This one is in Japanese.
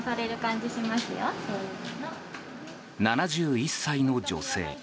７１歳の女性。